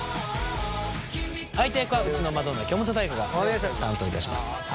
相手役はうちのマドンナ京本大我が担当いたします。